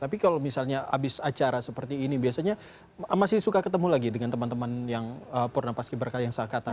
tapi kalau misalnya habis acara seperti ini biasanya masih suka ketemu lagi dengan teman teman yang purnapaski berkaya yang se akatan